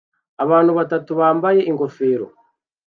Abantu batatu bambaye ingofero